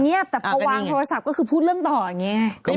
แต่พอวางโทรศัพท์ก็คือพูดเรื่องต่ออย่างนี้ไง